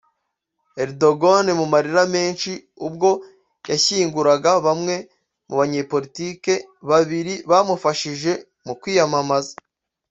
Erdogan mu marira menshi ubwo yashyinguraga bamwe mu banyepolitike babiri bamufashije mu kwiyamamaza